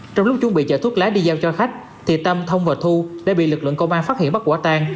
trong lúc chuẩn bị chở thuốc lá đi giao cho khách thì tâm thông và thu đã bị lực lượng công an phát hiện bắt quả tang